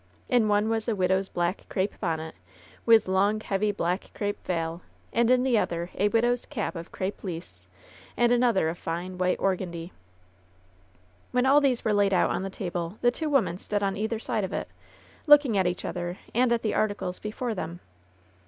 In one was a vddoVs blftck crape bonnet, with long, heavy black crape veil; and in the other a widoVs cap of crepe lisse, and another of fine, white organdie. When all these were laid out on the table the two women stood on either side of it, looking at each other and at the articles before them.